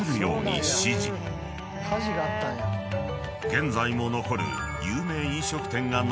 ［現在も残る］